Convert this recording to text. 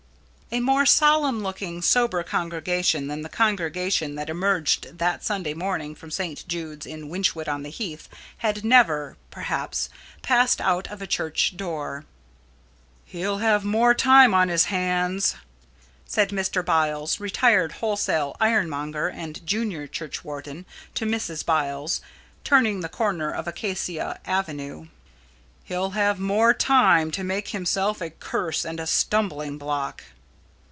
A more solemn looking, sober congregation than the congregation that emerged that Sunday morning from St. Jude's in Wychwood on the Heath had never, perhaps, passed out of a church door. "He'll have more time upon his hands," said Mr. Biles, retired wholesale ironmonger and junior churchwarden, to Mrs. Biles, turning the corner of Acacia Avenue "he'll have more time to make himself a curse and a stumbling block."